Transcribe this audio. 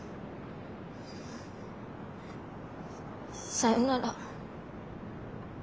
さよなら。